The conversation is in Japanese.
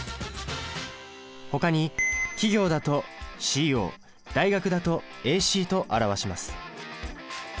ほかに企業だと「ｃｏ」大学だと「ａｃ」と表します。